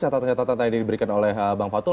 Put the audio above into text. catatan catatan tadi diberikan oleh bang fatul